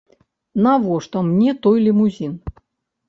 Навошта мне той лімузін?